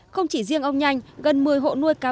không chỉ riêng ông nhanh gần một mươi hộ nuôi cá